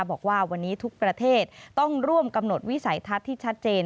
บอกว่าวันนี้ทุกประเทศต้องร่วมกำหนดวิสัยทัศน์ที่ชัดเจน